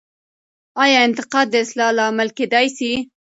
آیا انتقاد د اصلاح لامل کیدای سي؟